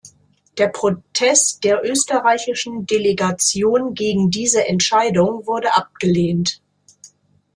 Der Protest der österreichischen Delegation gegen diese Entscheidung wurde abgelehnt.